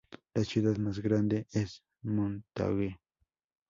La ciudad más grande es Montague.